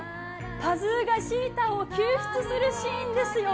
パズーがシータを救出するシーンですよ。